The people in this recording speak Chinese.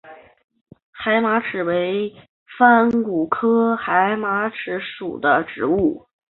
海马齿为番杏科海马齿属的植物。